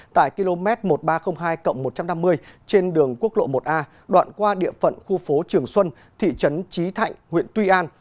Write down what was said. tại km một nghìn ba trăm linh hai một trăm năm mươi trên đường quốc lộ một a đoạn qua địa phận khu phố trường xuân thị trấn trí thạnh huyện tuy an